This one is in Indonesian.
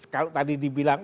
kalau tadi dibilang